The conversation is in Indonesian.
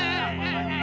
udah udah udah udah